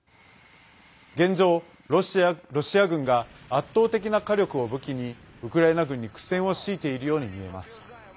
現状、ロシア軍が圧倒的な火力を武器にウクライナ軍に苦戦を強いているように見えます。